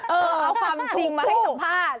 เอาความจริงมาให้สัมภาษณ์